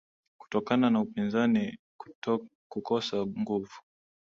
kutokana na upinzani kukosa nguvu